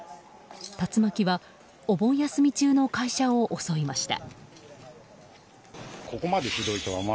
竜巻はお盆休み中の会社を襲いました。